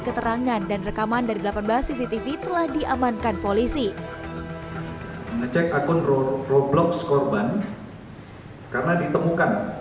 keterangan dan rekaman dari delapan belas cctv telah diamankan polisi ngecek akun robloks korban karena ditemukan